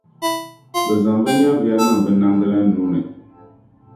bɛ zaŋ bɛ nyɛviya niŋ bɛ Namda la nuu ni.